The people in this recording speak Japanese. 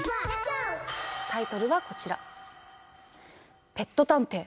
タイトルはこちら。